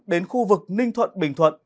đến khu vực ninh thuận bình thuận